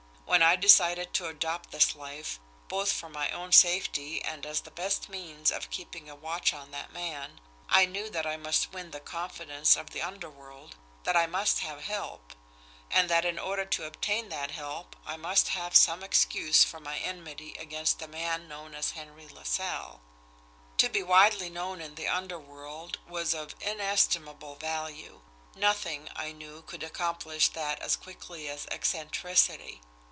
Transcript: When I decided to adopt this life, both for my own safety and as the best means of keeping a watch on that man, I knew that I must win the confidence of the underworld, that I must have help, and that in order to obtain that help I must have some excuse for my enmity against the man known as Henry LaSalle. To be widely known in the underworld was of inestimable value nothing, I knew, could accomplish that as quickly as eccentricity.